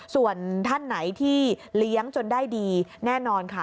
ส่วนท่านไหนที่เลี้ยงจนได้ดีแน่นอนค่ะ